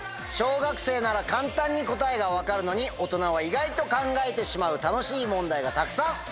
小学生なら簡単に答えが分かるのに大人は意外と考えてしまう楽しい問題がたくさん！